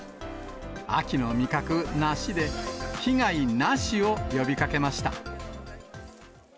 秋の味覚、梨で、被害なしを呼びかけました。